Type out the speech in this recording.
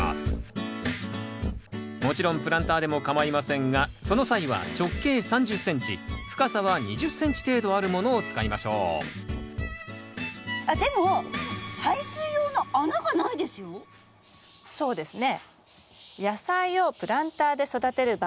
もちろんプランターでもかまいませんがその際は直径３０ｃｍ深さは２０ｃｍ程度あるものを使いましょうでもそうですね。